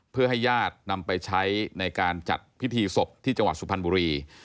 เพื่อให้ญาตินำไปใช้ในการจัดพิธีศพที่จังหวัดสุพรรณบุรี